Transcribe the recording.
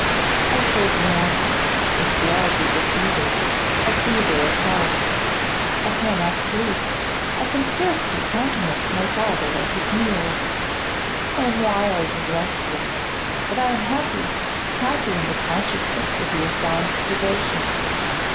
O Ferdinand! this love is a fever, a fever of health. I cannot sleep; I can scarcely countenance my father at his meals. I am wild and restless; but I am happy, happy in the consciousness of your fond devotion.